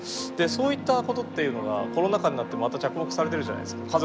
そういったことっていうのがコロナ禍になってまた着目されてるじゃないですか。